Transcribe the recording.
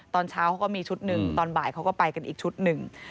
ตอนเช้าเขาก็มีชุดหนึ่งตอนบ่ายเขาก็ไปกันอีกชุดหนึ่ง